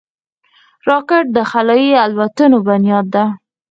راکټ د خلایي الوتنو بنیاد ده